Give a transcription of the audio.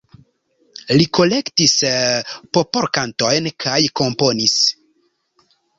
Li kolektis popolkantojn kaj komponis.